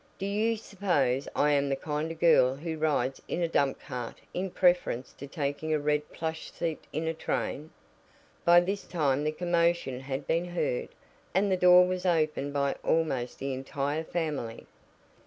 "Do you suppose I am the kind of girl who rides in a dump cart in preference to taking a red plush seat in a train?" By this time the commotion had been heard, and the door was opened by almost the entire family.